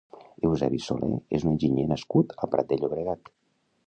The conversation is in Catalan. Eusebi Soler és un enginyer nascut al Prat de Llobregat.